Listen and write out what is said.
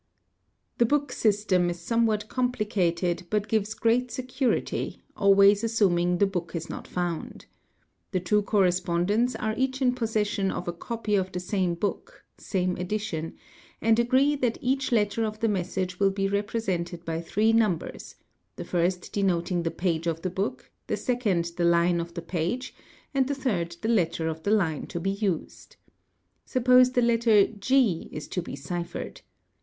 The book system is somewhat complicated but gives great security, always assuming the book is not found. 'The two correspondents are each in possession of a copy of the same book (same edition) and agree that each letter of the message will be represented by three num bers, the first denoting the page of the book, the second the line of the page, and the third the letter of the line to be used. Suppose the letter g is to be ciphered.